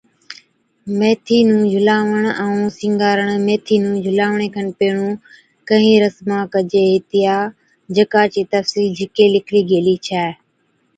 ميٿِي نُون جھُلاوَڻ ائُون سِِنگارڻ، ميٿي نُون جھُلاوَڻي کن پيھڻُون ڪھِين رسما ڪجي ھِتيا، جڪا چِي تفصِيل جھِڪي لِکلِي گيلِي ڇَي